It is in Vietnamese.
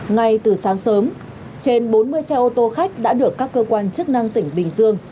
ngay từ sáng sớm trên bốn mươi xe ô tô khách đã được các cơ quan chức năng tỉnh bình dương